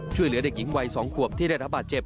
ช่วยเหลือเด็กหญิงวัย๒ขวบที่ได้รับบาดเจ็บ